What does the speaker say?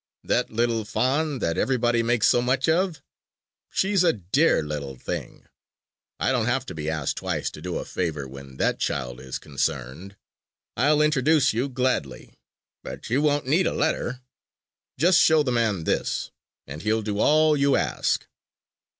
That little fawn that everybody makes so much of? She's a dear little thing! I don't have to be asked twice to do a favor when that child is concerned! I'll introduce you gladly. But you won't need a letter. Just show the man this, and he'll do all you ask."